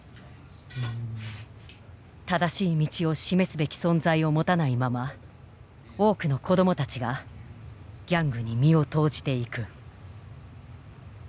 正しい道を示すべき存在を持たないまま多くの子どもたちがギャングに身を投じていく。